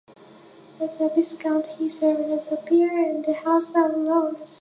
As a Viscount, he served as a peer in the House of Lords.